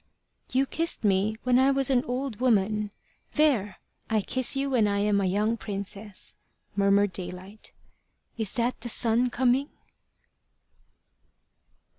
"You kissed me when I was an old woman: there! I kiss you when I am a young princess," murmured Daylight. "Is that the sun coming?"